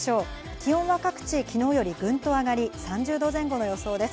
気温は各地昨日よりぐんと上がり、３０度前後の予想です。